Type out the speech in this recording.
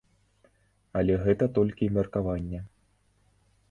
Але гэта толькі меркаванне.